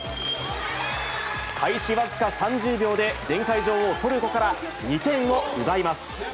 開始わずか３０秒で前回女王、トルコから２点を奪います。